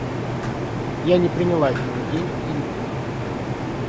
Я не приняла от него денег, и не приму.